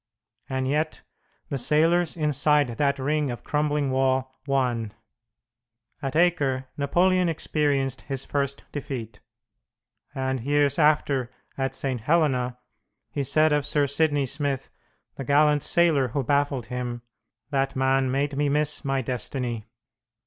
And yet the sailors inside that ring of crumbling wall won! At Acre Napoleon experienced his first defeat; and, years after, at St. Helena, he said of Sir Sidney Smith, the gallant sailor who baffled him, "That man made me miss my destiny."